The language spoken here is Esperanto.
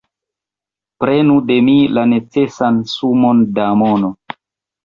Prenu de mi la necesan sumon da mono!